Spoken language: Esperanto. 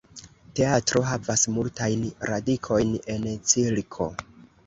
Teatro havas multajn radikojn en cirko.